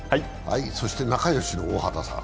そして仲よしの大畑さん。